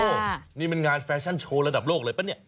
โอ้โหนี่มันงานแฟชั่นโชว์ระดับโลกเลยป่ะเนี่ย